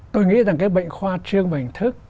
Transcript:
tôi nghĩ rằng cái bệnh khoa trương và hình thức